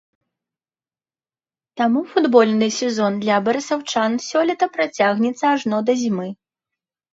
Таму футбольны сезон для барысаўчан сёлета працягнецца ажно да зімы.